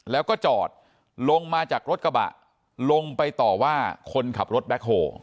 แล้วก็จอดลงมาจากรถกระบะลงไปต่อว่าคนขับรถแบ็คโฮ